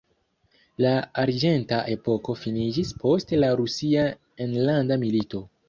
La arĝenta epoko finiĝis post la rusia enlanda milito.